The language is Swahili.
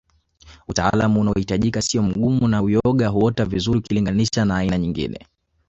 Utaalamu unaohitajika siyo mgumu na uyoga huota vizuri ukiliganisha na aina nyingine